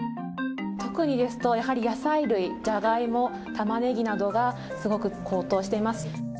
特にですと、やはり野菜類、ジャガイモ、タマネギなどがすごく高騰しています。